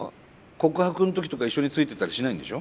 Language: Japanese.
告白の時とか一緒についてったりしないんでしょ？